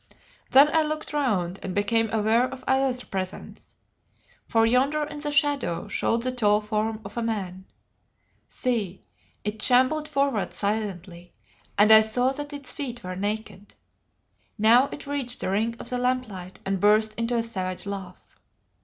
Then I looked round, and became aware of another presence. For yonder in the shadow showed the tall form of a man. See! it shambled forward silently, and I saw that its feet were naked. Now it reached the ring of the lamplight and burst into a savage laugh.